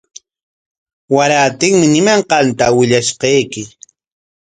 Warantinmi ñimanqanta willashqayki.